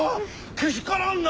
けしからんな！